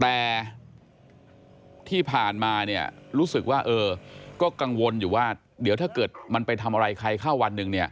แต่ที่ผ่านมาเนี่ยรู้สึกว่าเออก็กังวลอยู่ว่าเดี๋ยวถ้าเกิดมันไปทำอะไรใครเข้าวันหนึ่งเนี่ย